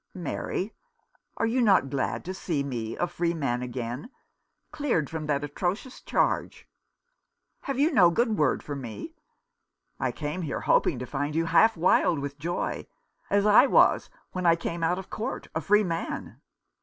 "Mary, are you not glad to see me a free man again, cleared from that atrocious charge ? Have you no good word for me ? I came here hoping to find you half wild with joy ; as I was when I came out of court, a free man."